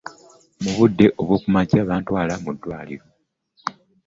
Mu budde obw'okumakya bantwala mu ddwaaliro.